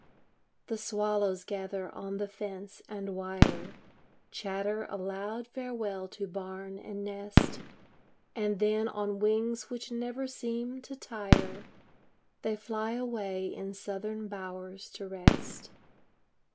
The swallows gather on the fence and wire, Chatter a loud farewell to barn and nest, And then on wings which never seem to tire They fly away in southern bowers to rest.